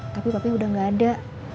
tapi papi udah gak ada